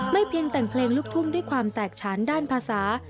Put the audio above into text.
เพียงแต่งเพลงลูกทุ่งด้วยความแตกฉานด้านภาษา